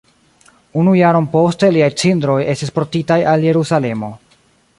Unu jaron poste liaj cindroj estis portitaj al Jerusalemo.